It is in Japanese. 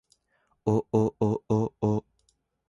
おおおおお